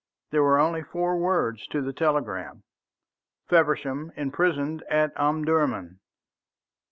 There were only four words to the telegram: "Feversham imprisoned at Omdurman."